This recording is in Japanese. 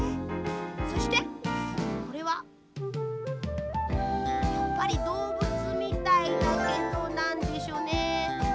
そしてこれはやっぱりどうぶつみたいだけどなんでしょうね。